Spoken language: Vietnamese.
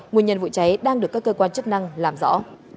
nguyên nhân vụ cháy đang được các cơ quan chức năng làm rõ